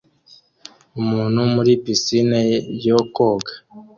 Umuntu muri pisine yo koga